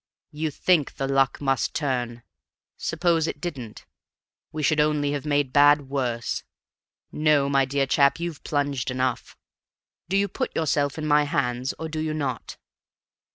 You think the luck must turn; suppose it didn't? We should only have made bad worse. No, my dear chap, you've plunged enough. Do you put yourself in my hands or do you not?